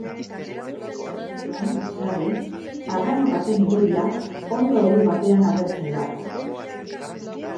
Ezkutuan, sarri, arrano baten irudia hondo hori batean agertzen da.